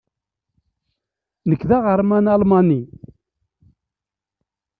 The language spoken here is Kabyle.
Nekk d aɣerman almani.